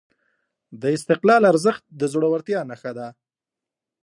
د استقلال ارزښت د زړورتیا نښه ده.